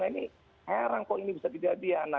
ini heran kok ini bisa jadi ya